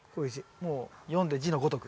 もう読んで字のごとく。